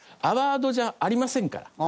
アワードじゃありませんから。